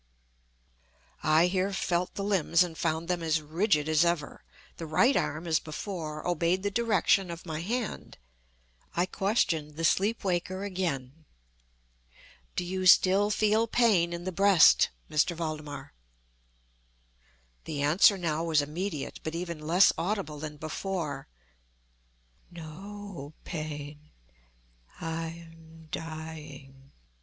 I here felt the limbs and found them as rigid as ever. The right arm, as before, obeyed the direction of my hand. I questioned the sleep waker again: "Do you still feel pain in the breast, M. Valdemar?" The answer now was immediate, but even less audible than before: "No pain—I am dying."